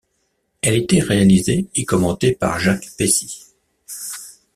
Elle était réalisée et commentée par Jacques Pessis.